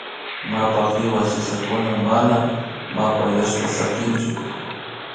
Mapa hiwa sisakuna mana mapayashka sakirichun